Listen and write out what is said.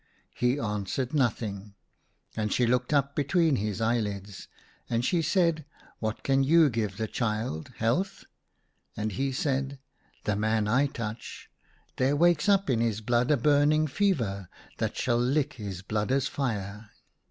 He an swered nothing ; and she looked up between his eyelids. And she said, " What can you give the child — health ?" And he said, "The man I touch, there wakes up in his blood a burning fever, that shall lick his blood as fire.